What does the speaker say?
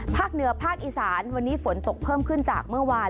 เหนือภาคอีสานวันนี้ฝนตกเพิ่มขึ้นจากเมื่อวาน